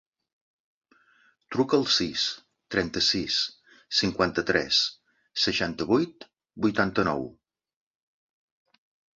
Truca al sis, trenta-sis, cinquanta-tres, seixanta-vuit, vuitanta-nou.